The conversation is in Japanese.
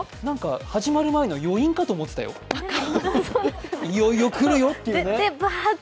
始まる前の余韻かと思ってたよ、いよいよ来るよって。